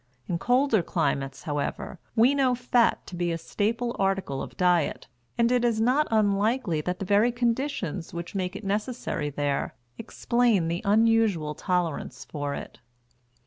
In colder climates, however, we know fat to be a staple article of diet; and it is not unlikely that the very conditions which make it necessary there explain the unusual tolerance for it.